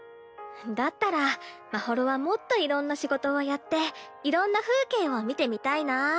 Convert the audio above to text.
だったらまほろはもっといろんな仕事をやっていろんな風景を見てみたいなぁ。